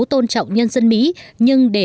tôn trọng nhân dân mỹ nhưng để